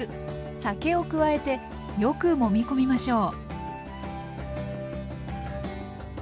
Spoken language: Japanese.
酒を加えてよくもみ込みましょう。